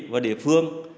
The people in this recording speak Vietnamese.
và địa phương